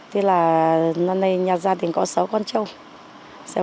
thế là năm nay nhà gia đình có sáu con trâu